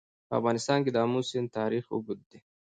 په افغانستان کې د آمو سیند تاریخ اوږد دی.